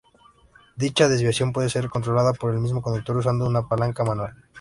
Dicha desviación puede ser controlada por el mismo conductor usando una palanca manual.